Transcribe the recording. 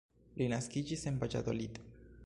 Li naskiĝis en Valladolid.